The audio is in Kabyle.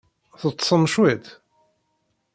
Teṭṣem cwiṭ?